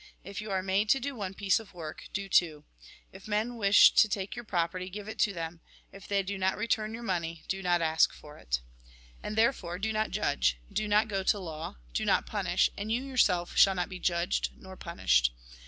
If you are made to do one piece of work, do two. If men msh to take your property, give it to them. If they do not return your money, do not ask for it. And therefore : Do not judge, do not go to law, do not punish, and you yourself shall not be judged, nor punished.